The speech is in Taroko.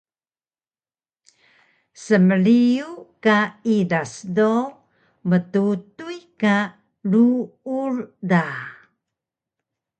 Smriyu ka idas do mtutuy ka ruur da